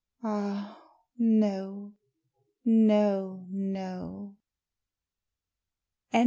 Ah, no, no, no.